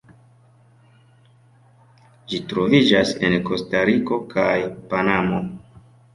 Ĝi troviĝas en Kostariko kaj Panamo.